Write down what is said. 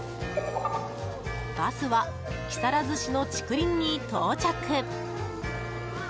バスは木更津市の竹林に到着。